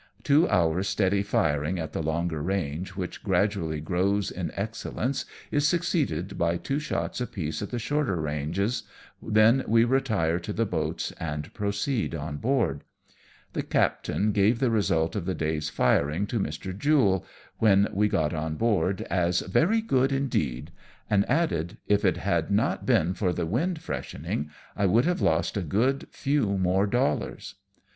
Two hours' steady firing at the longer range, which gradually grows in excellence^ is succeeded by two shots apiece at the shorter ranges, then we retire to the boats, and proceed on board. The captain gave the result of the day's firing to Mr. Jule when we got on board as "Very good indeed/' and added, " if it had not been for the wind freshening, I would have lost a good few more dollars."